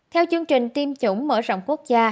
theo chương trình tiêm chủng mở rộng quốc gia